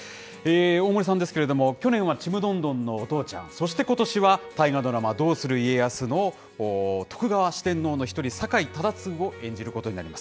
大森さんですけれども、去年はちむどんどんのお父ちゃん、そしてことしは大河ドラマ、どうする家康の徳川四天王の一人、酒井忠次を演じることになります。